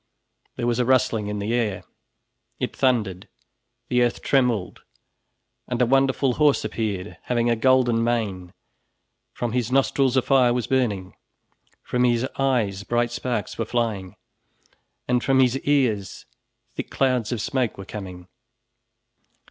There was a rustling in the air, it thundered, the earth trembled, and a wonderful horse appeared, having a golden mane, from his nostrils a fire was burning, from his eyes bright sparks were flying, and from his ears thick clouds of smoke were coming.